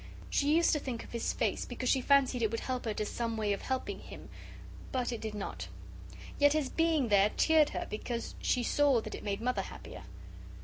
She used to think of his face because she fancied it would help her to some way of helping him. But it did not. Yet his being there cheered her because she saw that it made Mother happier.